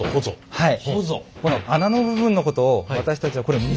はい。